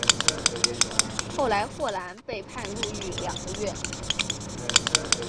后来霍兰被判入狱两个月。